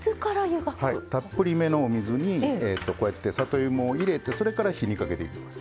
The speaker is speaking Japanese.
たっぷりめのお水に里芋を入れてそれから火にかけていきます。